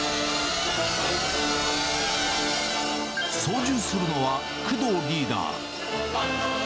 操縦するのは工藤リーダー。